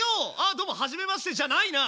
あどうもはじめましてじゃないな！